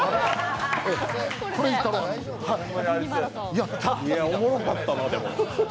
いや、おもろかったな、でも。